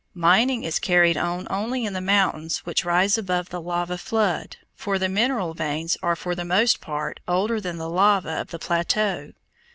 Mining is carried on only in the mountains which rise above the lava flood, for the mineral veins are for the most part older than the lava of the plateau.